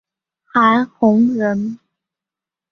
韩弘人。